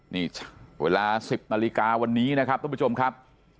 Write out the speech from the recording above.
นี่เวลา๑๐นาฬิกาวันนี้นะครับทุกผู้ชมครับ